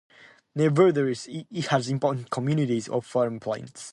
Nevertheless, it has important communities of maritime plants.